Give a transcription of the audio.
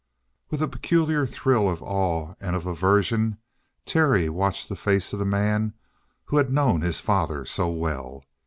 With a peculiar thrill of awe and of aversion Terry watched the face of the man who had known his father so well.